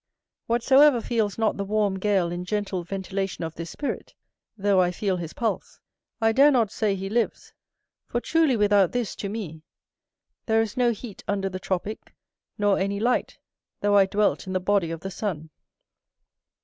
Whatsoever feels not the warm gale and gentle ventilation of this spirit (though I feel his pulse), I dare not say he lives; for truly without this, to me, there is no heat under the tropick; nor any light, though I dwelt in the body of the sun.